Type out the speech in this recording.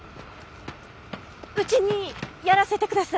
うちにやらせてください！